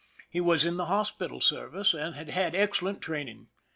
He was in the hospital service, and had had excellent training.